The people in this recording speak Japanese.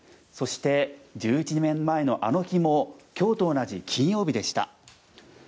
そして、１１年前のあの日も今日と同じ金曜日でした。